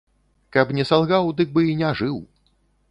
Каб не салгаў, дык бы і не жыў.